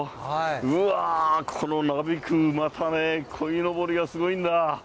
うわー、このなびく、またね、こいのぼりがすごいんだ。